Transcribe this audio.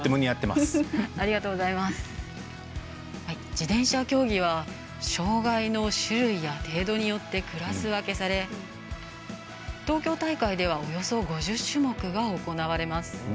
自転車競技は障がいの種類や程度によってクラス分けされ東京大会ではおよそ５０種目が行われます。